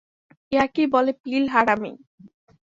ইহাকেই বলে পিল-হারামি।